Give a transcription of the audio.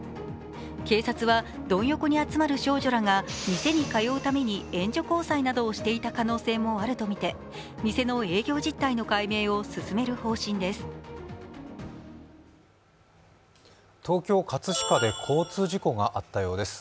警察はドン横に集まる少女らが店に通うために援助交際などをしていた可能性もあるとみて店の営業実態の解明を進める方針です。